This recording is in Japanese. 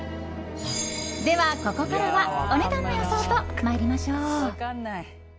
では、ここからはお値段の予想と参りましょう！